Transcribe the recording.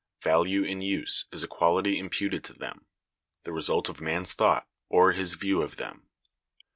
Value in use is a quality imputed to them, the result of man's thought, or his view of them.